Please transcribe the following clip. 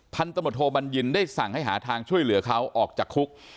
พันธมตโทบัญญินได้สั่งให้หาทางช่วยเหลือเขาออกจากคุก